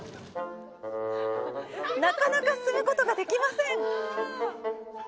なかなか進むことができません。